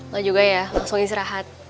gak juga ya langsung istirahat